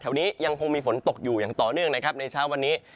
นี้ยังคงมีฝนตกอยู่อย่างต่อเนื่องนะครับในเช้าวันนี้